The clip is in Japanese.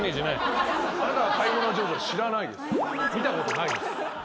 見たことないです。